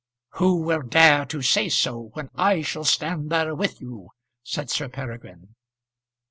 "Who will dare to say so, when I shall stand there with you?" said Sir Peregrine.